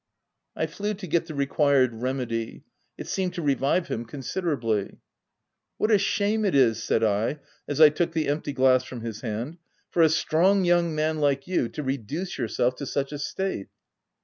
I flew to get the required remedy. It seemed to revive him considerably. OF WILDFELL HALL. 189 " What a shame it is," said I, as I took the empty glass from his hand, "for a strong young man like you to reduce yourself to such a state